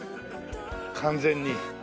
完全に。